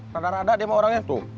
rada rada dia sama orangnya tuh